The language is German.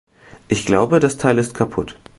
Ich glaube, das Teil ist kaputt.